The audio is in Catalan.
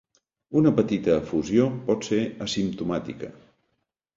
Una petita efusió pot ser asimptomàtica.